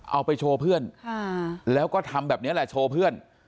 เอาไปโชว์เพื่อนแล้วก็ทำแบบนี้แหละโชว์เพื่อน